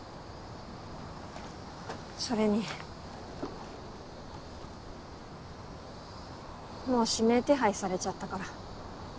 それにもう指名手配されちゃったから。